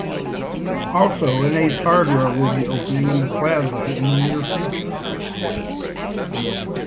Also an Ace Hardware will be opening in the Plaza in the near future.